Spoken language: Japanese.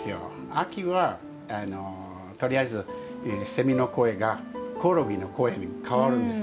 秋は、とりあえずセミの声がコオロギの声にかわるんです。